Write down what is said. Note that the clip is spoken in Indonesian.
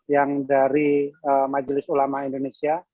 yang dari majelis ulama indonesia